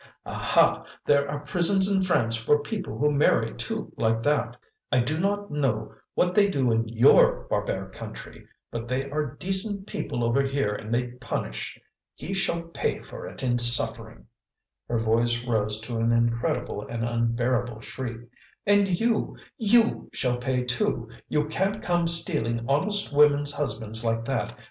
Aha, there are prisons in France for people who marry two like that; I do not know what they do in YOUR barbaric country, but they are decent people over here and they punish. He shall pay for it in suffering " her voice rose to an incredible and unbearable shriek "and you, YOU shall pay, too! You can't come stealing honest women's husbands like that.